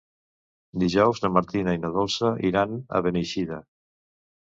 Dijous na Martina i na Dolça iran a Beneixida.